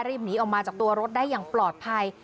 รีบหนีออกมาจากตัวรถได้อย่างปลอดภัย